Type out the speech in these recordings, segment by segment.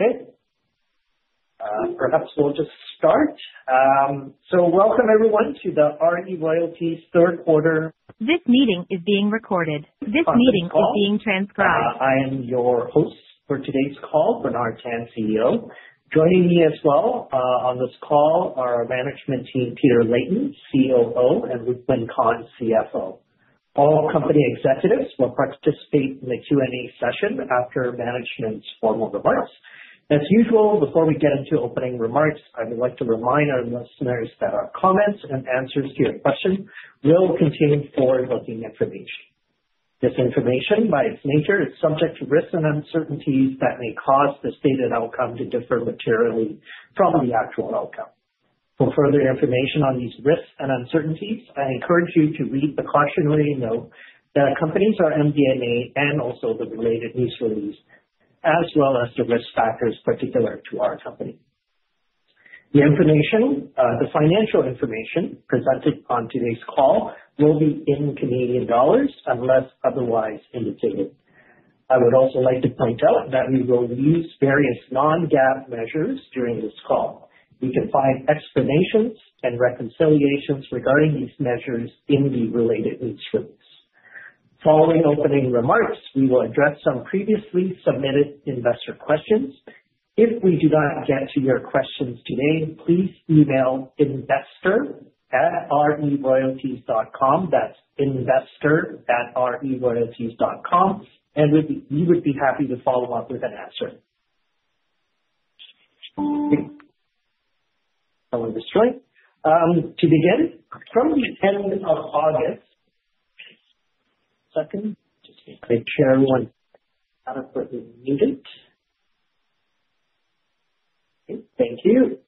Okay. Perhaps we'll just start, so welcome, everyone, to the RE Royalties Third Quarter. This meeting is being recorded. This meeting is being transcribed. I am your host for today's call, Bernard Tan, CEO. Joining me as well on this call are Management Team Peter Leighton, COO, and Luqman Khan, CFO. All company executives will participate in the Q&A session after management's formal remarks. As usual, before we get into opening remarks, I would like to remind our listeners that our comments and answers to your questions will contain forward-looking information. This information, by its nature, is subject to risks and uncertainties that may cause the stated outcome to differ materially from the actual outcome. For further information on these risks and uncertainties, I encourage you to read the cautionary note that accompanies our MD&A and also the related news release, as well as the risk factors particular to our company. The financial information presented on today's call will be in Canadian dollars unless otherwise indicated. I would also like to point out that we will use various non-GAAP measures during this call. You can find explanations and reconciliations regarding these measures in the related news release. Following opening remarks, we will address some previously submitted investor questions. If we do not get to your questions today, please email investor@reroyalties.com. That's investor@reroyalties.com, and we would be happy to follow up with an answer. To begin, from the end of August, second, just make sure everyone is adequately muted. Thank you.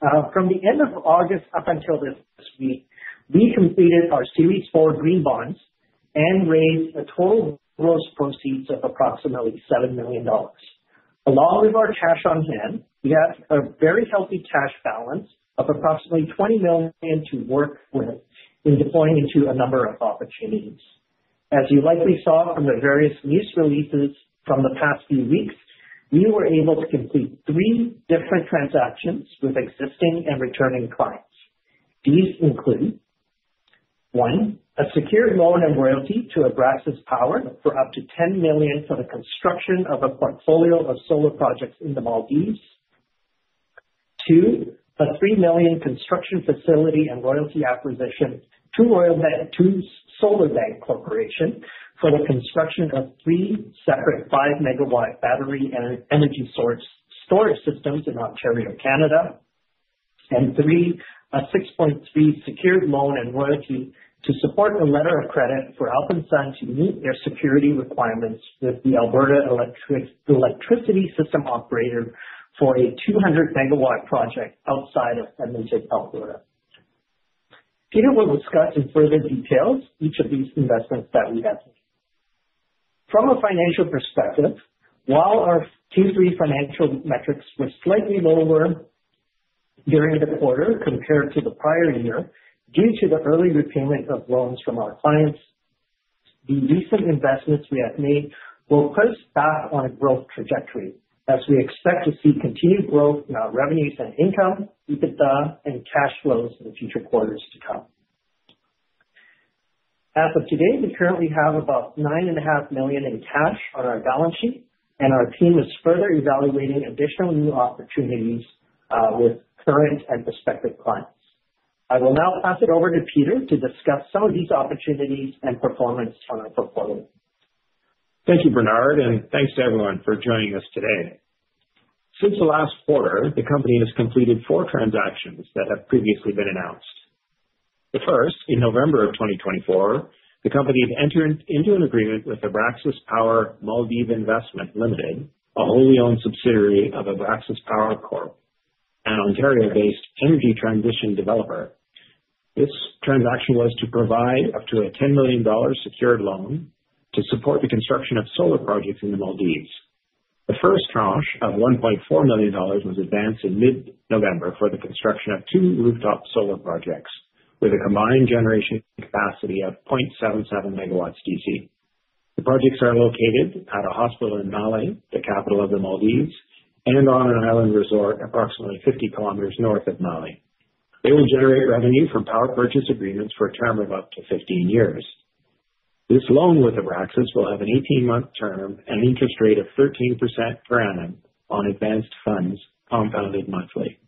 From the end of August up until this week, we completed our Series 4 Green Bonds and raised a total gross proceeds of approximately 7 million dollars. Along with our cash on hand, we have a very healthy cash balance of approximately 20 million to work with in deploying into a number of opportunities. As you likely saw from the various news releases from the past few weeks, we were able to complete three different transactions with existing and returning clients. These include: one, a secured loan and royalty to Abraxas Power for up to 10 million for the construction of a portfolio of solar projects in the Maldives. Two, a 3 million construction facility and royalty acquisition to SolarBank Corporation for the construction of three separate 5-megawatt battery and energy storage systems in Ontario, Canada. And three, a 6.3 million secured loan and royalty to support a letter of credit for Alpensolar to meet their security requirements with the Alberta Electricity System Operator for a 200-megawatt project outside of Edmonton, Alberta. Peter will discuss in further detail each of these investments that we have made. From a financial perspective, while our Q3 financial metrics were slightly lower during the quarter compared to the prior year due to the early repayment of loans from our clients, the recent investments we have made will push back on a growth trajectory as we expect to see continued growth in our revenues and income, EBITDA, and cash flows in the future quarters to come. As of today, we currently have about 9.5 million in cash on our balance sheet, and our team is further evaluating additional new opportunities with current and prospective clients. I will now pass it over to Peter to discuss some of these opportunities and performance on our portfolio. Thank you, Bernard, and thanks to everyone for joining us today. Since the last quarter, the company has completed four transactions that have previously been announced. The first, in November of 2024, the company entered into an agreement with Abraxas Power Maldives Investment Limited, a wholly-owned subsidiary of Abraxas Power Corp and Ontario-based energy transition developer. This transaction was to provide up to 10 million dollars secured loan to support the construction of solar projects in the Maldives. The first tranche of 1.4 million dollars was advanced in mid-November for the construction of two rooftop solar projects with a combined generation capacity of 0.77 megawatts DC. The projects are located at a hospital in Malé, the capital of the Maldives, and on an island resort approximately 50 kilometers north of Malé. They will generate revenue from power purchase agreements for a term of up to 15 years. This loan with Abraxas will have an 18-month term and an interest rate of 13% per annum on advanced funds compounded monthly.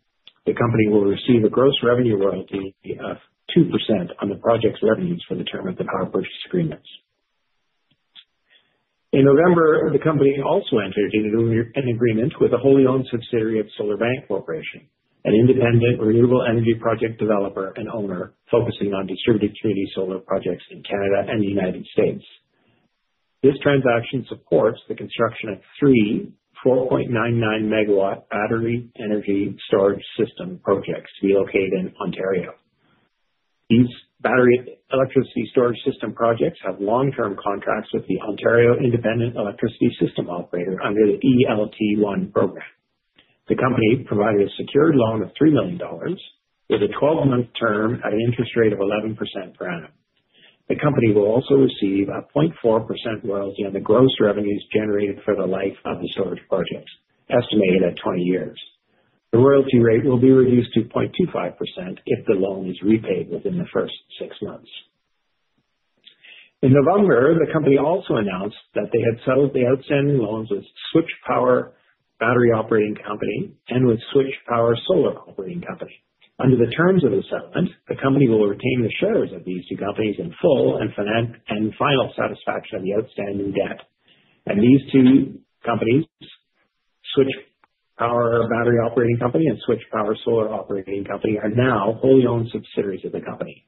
The company will receive a gross revenue royalty of 2% on the project's revenues for the term of the power purchase agreements. In November, the company also entered into an agreement with a wholly-owned subsidiary of SolarBank Corporation, an independent renewable energy project developer and owner focusing on distributed community solar projects in Canada and the United States. This transaction supports the construction of three 4.99 MW battery energy storage system projects to be located in Ontario. These battery energy storage system projects have long-term contracts with the Independent Electricity System Operator under the E-LT1 program. The company provided a secured loan of 3 million dollars with a 12-month term at an interest rate of 11% per annum. The company will also receive a 0.4% royalty on the gross revenues generated for the life of the storage projects, estimated at 20 years. The royalty rate will be reduced to 0.25% if the loan is repaid within the first six months. In November, the company also announced that they had settled the outstanding loans with Switch Power Battery Operating Company and with Switch Power Solar Operating Company. Under the terms of the settlement, the company will retain the shares of these two companies in full and final satisfaction of the outstanding debt, and these two companies, Switch Power Battery Operating Company and Switch Power Solar Operating Company, are now wholly-owned subsidiaries of the company.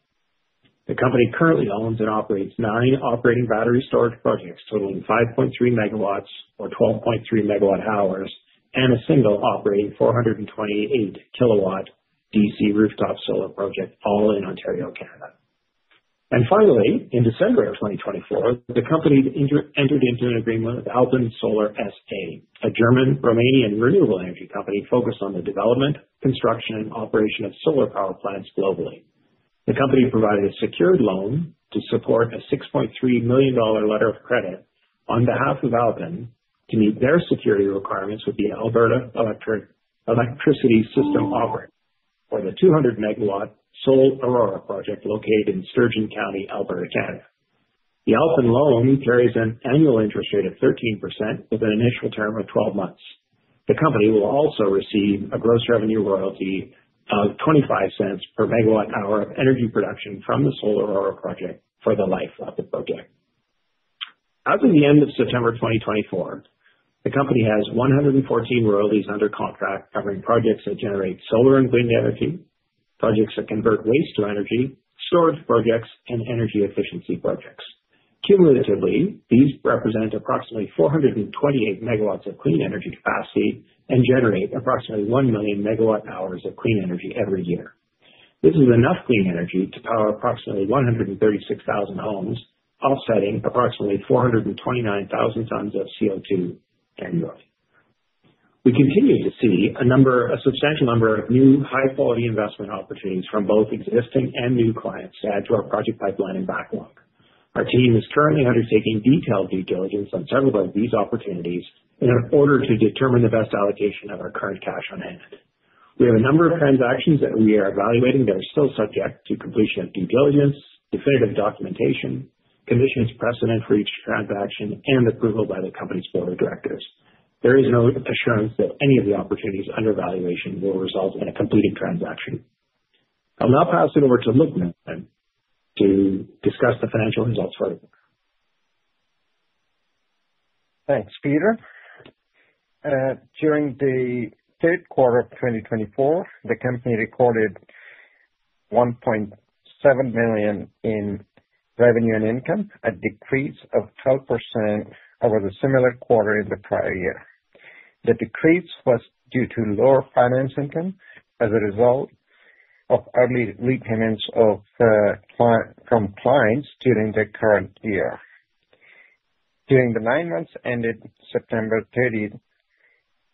The company currently owns and operates nine operating battery storage projects totaling 5.3 megawatts or 12.3 MW hours and a single operating 428-kW DC rooftop solar project, all in Ontario, Canada. Finally, in December of 2024, the company entered into an agreement with Alpensolar SA, a German-Romanian renewable energy company focused on the development, construction, and operation of solar power plants globally. The company provided a secured loan to support a 6.3 million dollar letter of credit on behalf of Alpens to meet their security requirements with the Alberta Electricity System Operator for the 200-megawatt Solar Aurora project located in Sturgeon County, Alberta, Canada. The Alpens loan carries an annual interest rate of 13% with an initial term of 12 months. The company will also receive a gross revenue royalty of 0.25 per megawatt hour of energy production from the Solar Aurora project for the life of the project. As of the end of September 2024, the company has 114 royalties under contract covering projects that generate solar and wind energy, projects that convert waste to energy, storage projects, and energy efficiency projects. Cumulatively, these represent approximately 428 megawatts of clean energy capacity and generate approximately 1 million megawatt hours of clean energy every year. This is enough clean energy to power approximately 136,000 homes, offsetting approximately 429,000 tons of CO2 annually. We continue to see a substantial number of new high-quality investment opportunities from both existing and new clients add to our project pipeline and backlog. Our team is currently undertaking detailed due diligence on several of these opportunities in order to determine the best allocation of our current cash on hand. We have a number of transactions that we are evaluating that are still subject to completion of due diligence, definitive documentation, conditions precedent for each transaction, and approval by the company's board of directors. There is no assurance that any of the opportunities under evaluation will result in a completed transaction. I'll now pass it over to Luqman Khan, who will discuss the financial results for the quarter. Thanks, Peter. During the third quarter of 2024, the company recorded 1.7 million in revenue and income, a decrease of 12% over the similar quarter in the prior year. The decrease was due to lower finance income as a result of early repayments from clients during the current year. During the nine months ended September 30,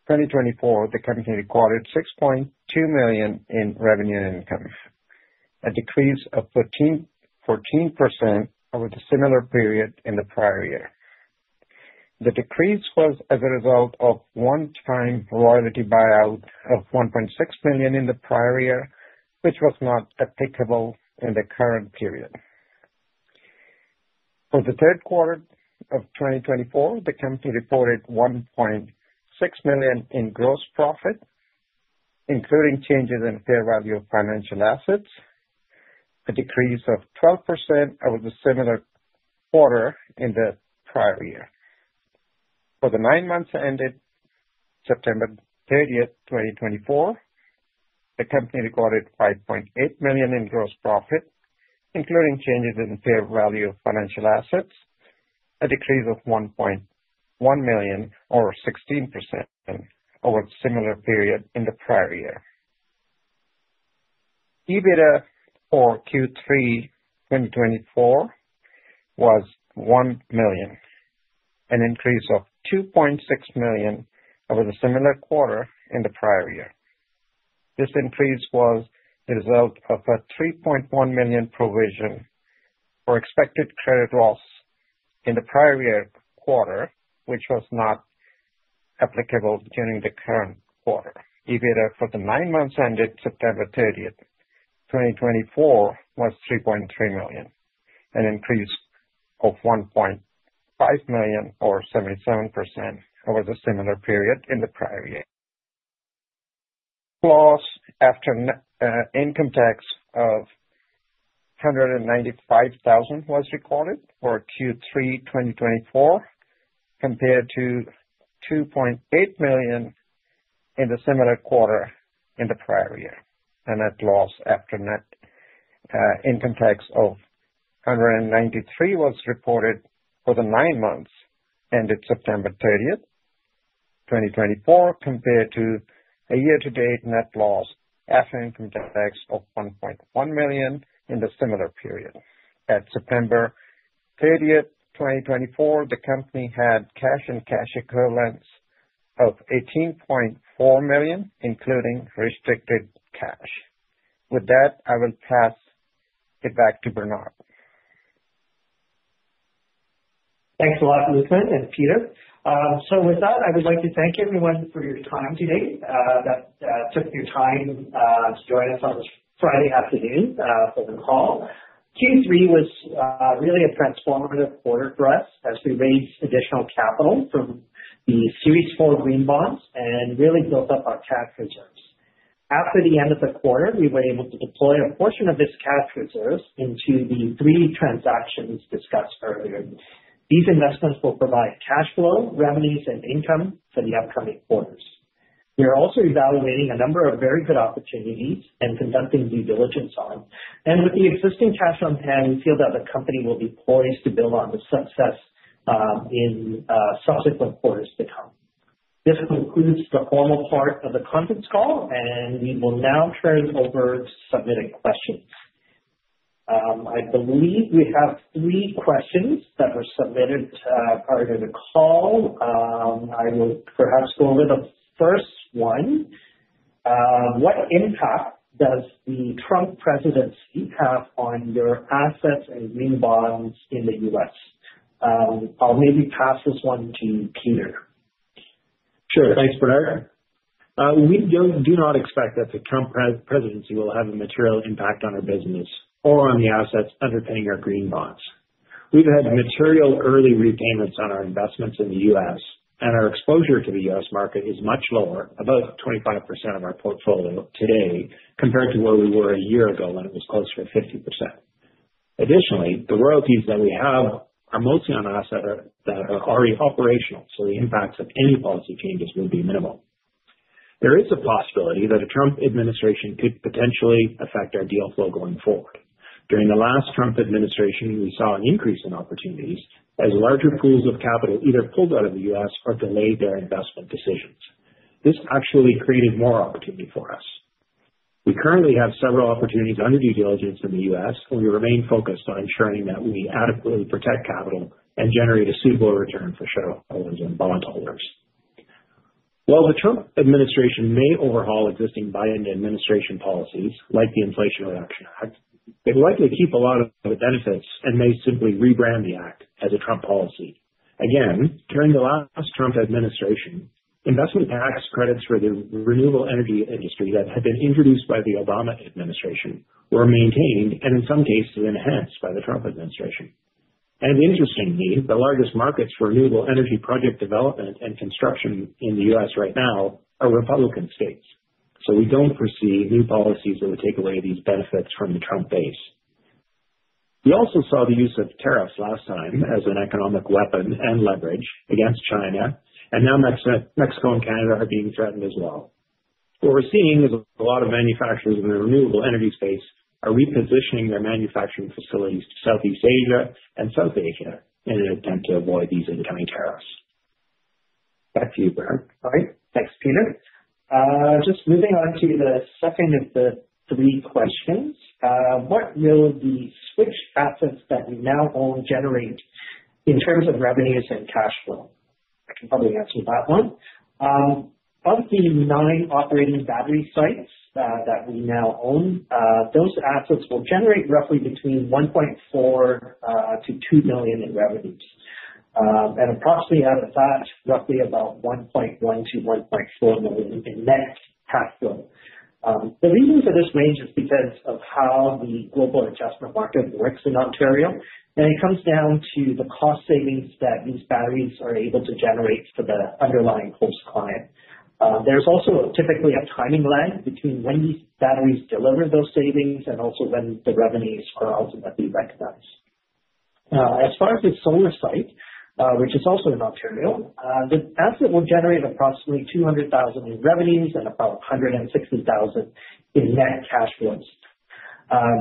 2024, the company recorded 6.2 million in revenue and income, a decrease of 14% over the similar period in the prior year. The decrease was as a result of one-time royalty buyout of 1.6 million in the prior year, which was not applicable in the current period. For the third quarter of 2024, the company reported 1.6 million in gross profit, including changes in fair value of financial assets, a decrease of 12% over the similar quarter in the prior year. For the nine months ended September 30, 2024, the company recorded 5.8 million in gross profit, including changes in fair value of financial assets, a decrease of 1.1 million, or 16%, over the similar period in the prior year. EBITDA for Q3 2024 was 1 million, an increase of 2.6 million over the similar quarter in the prior year. This increase was the result of a 3.1 million provision for expected credit loss in the prior year quarter, which was not applicable during the current quarter. EBITDA for the nine months ended September 30, 2024, was 3.3 million, an increase of 1.5 million, or 77%, over the similar period in the prior year. Loss after income tax of 195,000 was recorded for Q3 2024, compared to 2.8 million in the similar quarter in the prior year. A net loss after income tax of 193,000 was reported for the nine months ended September 30, 2024, compared to a year-to-date net loss after income tax of 1.1 million in the similar period. At September 30, 2024, the company had cash and cash equivalents of 18.4 million, including restricted cash. With that, I will pass it back to Bernard. Thanks a lot, Luqman and Peter. With that, I would like to thank everyone for taking the time to join us on this Friday afternoon for the call. Q3 was really a transformative quarter for us as we raised additional capital from the Series 4 Green Bonds and really built up our cash reserves. After the end of the quarter, we were able to deploy a portion of this cash reserve into the three transactions discussed earlier. These investments will provide cash flow, revenues, and income for the upcoming quarters. We are also evaluating a number of very good opportunities and conducting due diligence on them. With the existing cash on hand, we feel that the company will be poised to build on the success in subsequent quarters to come. This concludes the formal part of the conference call, and we will now turn it over to submitting questions. I believe we have three questions that were submitted prior to the call. I will perhaps go over the first one. What impact does the Trump presidency have on your assets and green bonds in the U.S.? I'll maybe pass this one to Peter. Sure. Thanks, Bernard. We do not expect that the Trump presidency will have a material impact on our business or on the assets underpinning our green bonds. We've had material early repayments on our investments in the U.S., and our exposure to the U.S. market is much lower, about 25% of our portfolio today, compared to where we were a year ago when it was closer to 50%. Additionally, the royalties that we have are mostly on assets that are already operational, so the impact of any policy changes will be minimal. There is a possibility that a Trump administration could potentially affect our deal flow going forward. During the last Trump administration, we saw an increase in opportunities as larger pools of capital either pulled out of the U.S. or delayed their investment decisions. This actually created more opportunity for us. We currently have several opportunities under due diligence in the U.S., and we remain focused on ensuring that we adequately protect capital and generate a suitable return for shareholders and bondholders. While the Trump administration may overhaul existing Biden administration policies, like the Inflation Reduction Act, it will likely keep a lot of the benefits and may simply rebrand the act as a Trump policy. Again, during the last Trump administration, investment tax credits for the renewable energy industry that had been introduced by the Obama administration were maintained and, in some cases, enhanced by the Trump administration, and interestingly, the largest markets for renewable energy project development and construction in the U.S. right now are Republican states, so we don't foresee new policies that would take away these benefits from the Trump base. We also saw the use of tariffs last time as an economic weapon and leverage against China, and now Mexico and Canada are being threatened as well. What we're seeing is a lot of manufacturers in the renewable energy space are repositioning their manufacturing facilities to Southeast Asia and South Asia in an attempt to avoid these incoming tariffs. Back to you, Bernard. All right. Thanks, Peter. Just moving on to the second of the three questions. What will the Switch assets that we now own generate in terms of revenues and cash flow? I can probably answer that one. Of the nine operating battery sites that we now own, those assets will generate roughly between 1.4 million-2 million in revenues, and approximately out of that, roughly about 1.1 million-1.4 million in net cash flow. The reason for this range is because of how the Global Adjustment market works in Ontario, and it comes down to the cost savings that these batteries are able to generate for the underlying host client. There's also typically a timing lag between when these batteries deliver those savings and also when the revenues are ultimately recognized. As far as the solar site, which is also in Ontario, this asset will generate approximately 200,000 in revenues and about 160,000 in net cash flows.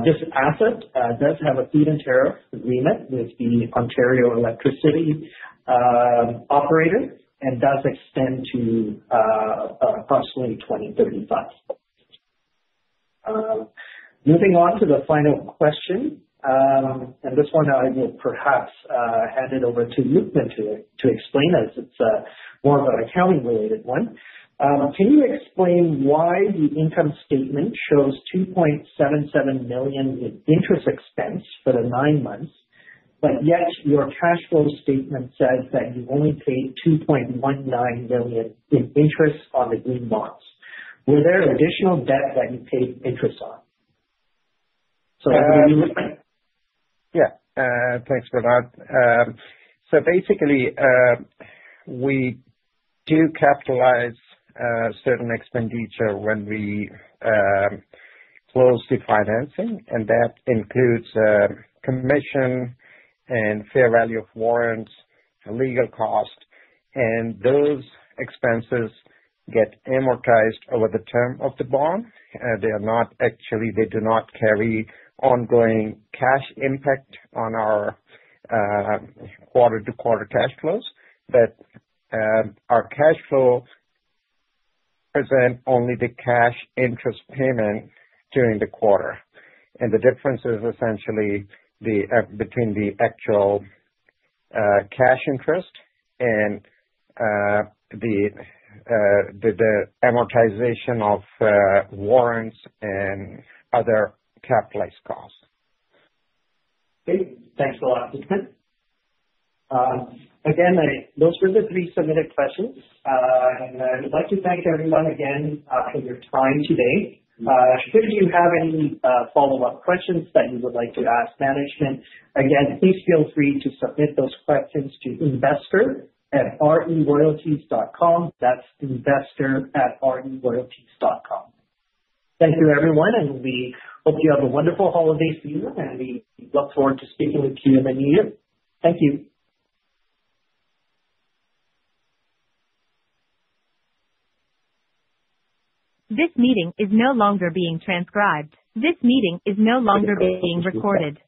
This asset does have a feed-in tariff agreement with the Ontario electricity operator and does extend to approximately 2035. Moving on to the final question, and this one I will perhaps hand it over to Luqman to explain as it's more of an accounting-related one. Can you explain why the income statement shows 2.77 million in interest expense for the nine months, but yet your cash flow statement says that you only paid 2.19 million in interest on the green bonds? Were there additional debt that you paid interest on? So can you explain? Yeah. Thanks, Bernard. So basically, we do capitalize certain expenditure when we close the financing, and that includes commission and fair value of warrants, legal costs, and those expenses get amortized over the term of the bond. They are not actually. They do not carry ongoing cash impact on our quarter-to-quarter cash flows, but our cash flow presents only the cash interest payment during the quarter, and the difference is essentially between the actual cash interest and the amortization of warrants and other capitalized costs. Thanks a lot, Luqman. Again, those were the three submitted questions. I would like to thank everyone again for your time today. Should you have any follow-up questions that you would like to ask management, again, please feel free to submit those questions to investor@reroyalties.com. That's investor@reroyalties.com. Thank you, everyone, and we hope you have a wonderful holiday season, and we look forward to speaking with you in the new year. Thank you. This meeting is no longer being transcribed. This meeting is no longer being recorded.